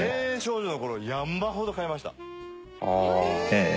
へえ！